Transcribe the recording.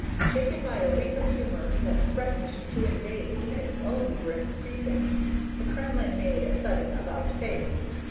Shaken by a week of humor that threatened to invade even its own grim precincts, the Kremlin made a sudden about face.